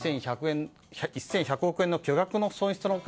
１１００億円の巨額な損失の他